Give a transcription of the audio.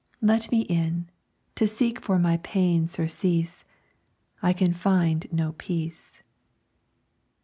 Let me in, to seek for my pain surcease; I can find no peace."